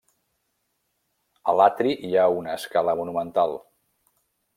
A l'atri hi ha una escala monumental.